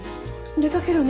出かけるね。